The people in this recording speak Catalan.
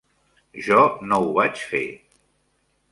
Jo no ho vaig fer.